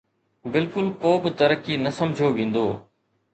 بلڪل ڪو به ترقي نه سمجهيو ويندو